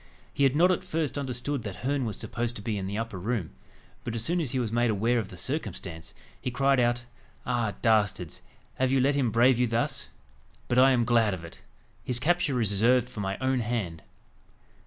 He had not at first understood that Herne was supposed to be in the upper room; but as soon as he was made aware of the circumstance, he cried out "Ah, dastards! have you let him brave you thus? But I am glad of it. His capture is reserved for my own hand."